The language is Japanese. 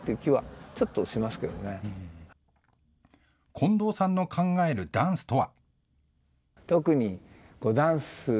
近藤さんの考えるダンスとは。